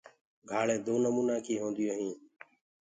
گھآݪینٚ دو نمونآ ڪي هونديو هينٚ۔